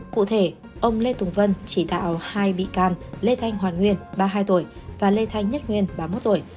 cụ thể ông lê tùng vân chỉ đạo hai bị can lê thanh hoàn nguyên ba mươi hai tuổi và lê thanh nhất nguyên ba mươi một tuổi